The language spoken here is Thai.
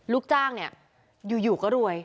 ลูกจ้างเนี่ยอยู่ก็รวย